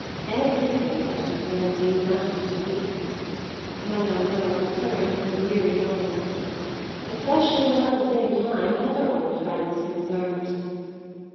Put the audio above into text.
"Everything that concerns you matters to me," Madame Merle returned with her weary nobleness; "especially when at the same time another old friend's concerned."